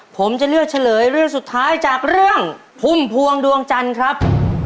ผมจะเลือกเฉลยเรื่องสุดท้ายจากเรื่องพุ่มพวงดวงจันทร์ครับ